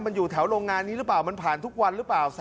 มันอยู่แถวโรงงานนี้หรือเปล่ามันผ่านทุกวันหรือเปล่า